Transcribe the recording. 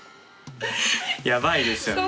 やばいですよね。